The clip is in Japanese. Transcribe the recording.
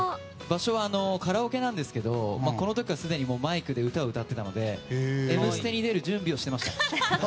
場所はカラオケなんですけどこの時からすでにマイクで歌を歌っていたので「Ｍステ」に出る準備をしてました。